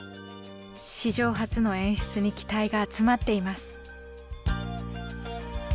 史上初の演出に期待が集まっています。